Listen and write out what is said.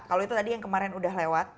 kalau itu tadi yang kemarin udah lewat